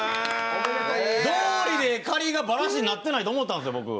どおりで仮がバラシになってないとち思ったんですよ。